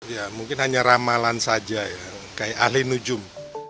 ya mungkin hanya ramalan saja ya kayak ahli nujum